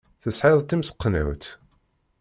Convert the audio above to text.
Tesɛid timseknewt?